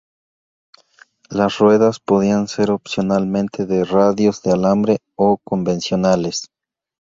Las ruedas podían ser opcionalmente de radios de alambre o convencionales.